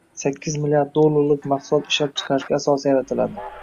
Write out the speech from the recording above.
sakkiz milliard dollarlik mahsulot ishlab chiqarishga asos yaratiladi.